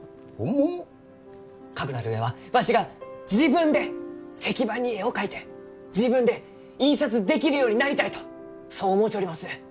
かくなる上はわしが自分で石版に絵を描いて自分で印刷できるようになりたいとそう思うちょります。